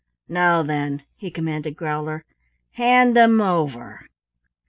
"Now then," he commanded Growler, "hand 'em over."